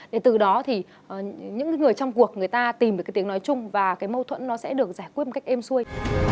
để từ đó thì những người trong cuộc người ta tìm được tiếng nói chung và mâu thuẫn sẽ được giải quyết một cách êm xuôi